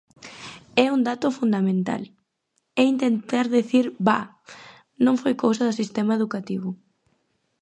É un dato fundamental, é intentar dicir ¡bah!, non foi cousa do sistema educativo.